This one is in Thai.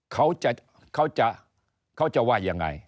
เขาจะว่ายังไง